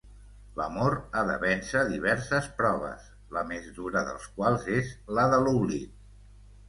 L'amor ha de vèncer diverses proves, la més dura dels quals és la de l'oblit.